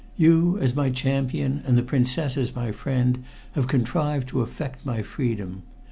You, as my champion, and the Princess as my friend, have contrived to effect my freedom.